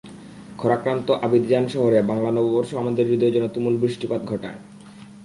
খরাক্রান্ত Abidjan শহরে বাংলা নববর্ষ আমাদের হৃদয়ে যেন তুমুল বৃষ্টিপাত ঘটায়।